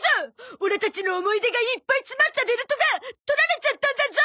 オラたちの思い出がいっぱい詰まったベルトが取られちゃったんだゾ！